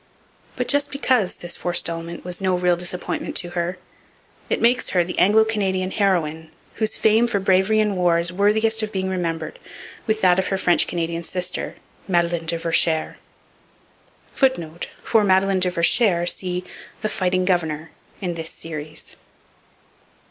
But just because this forestalment was no real disappointment to her, it makes her the Anglo Canadian heroine whose fame for bravery in war is worthiest of being remembered with that of her French Canadian sister, Madeleine de Vercheres. [Footnote: For Madeleine de Vercheres see The fighting Governor in this Series.